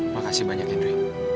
makasih banyak indri